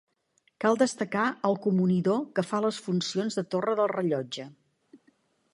Cal destacar el comunidor que fa les funcions de torre del rellotge.